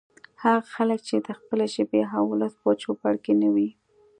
هغه خلک چې د خپلې ژبې او ولس په چوپړ کې نه وي